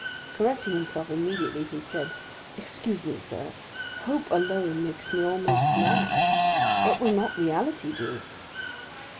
Correcting himself immediately, he said, "Excuse me, sir; hope alone makes me almost mad,—what will not reality do?"